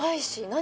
何？